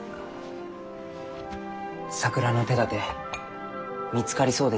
桜の手だて見つかりそうです